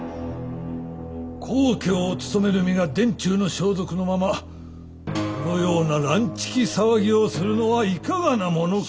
高家を務める身が殿中の装束のままこのような乱痴気騒ぎをするのはいかがなものか。